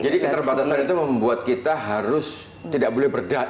jadi keterbatasan itu membuat kita harus tidak boleh berdaya